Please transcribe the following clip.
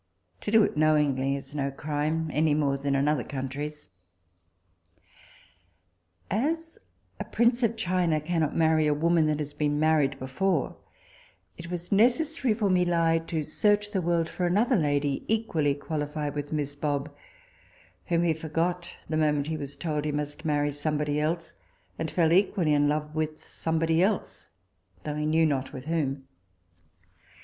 To do it knowingly is no crime, any more than in other countries. As a prince of China cannot marry a woman that has been married before, it was necessary for Mi Li to search the world for another lady equally qualified with miss Bob, whom he forgot the moment he was told he must marry somebody else, and fell equally in love with somebody else, though be knew not with whom.